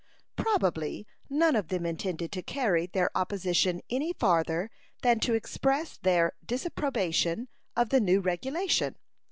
Probably none of them intended to carry their opposition any farther than to express their disapprobation of the new regulation.